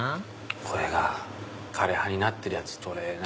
これが枯れ葉になってるやつ。